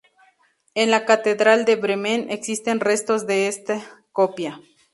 En la Catedral de Bremen existen restos de esta copia.